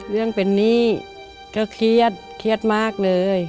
เรื่องเป็นหนี้ก็เครียดเครียดมากเลย